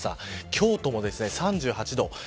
京都も３８度。